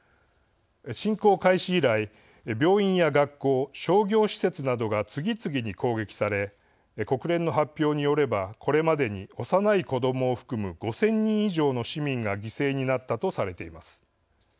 侵攻開始以来病院や学校、商業施設などが次々に攻撃され国連の発表によればこれまでに幼い子どもを含む５０００人以上の市民が犠牲になったとされています。